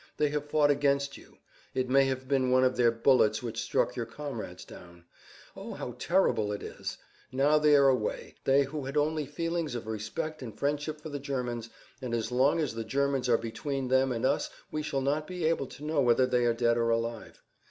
They have fought against you. It may have been one of their bullets which struck your comrades down. O, how terrible it is! Now they are away—they who had only feelings of respect and friendship for the Germans—and as long as the Germans are between them and us we shall not be able to know whether they are dead or alive.